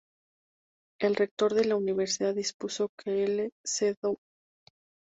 El rector de la universidad, dispuso que el Lcdo.